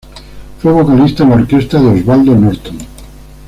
Fue vocalista en la Orquesta de Osvaldo Norton.